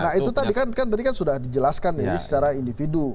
nah itu tadi kan sudah dijelaskan ini secara individu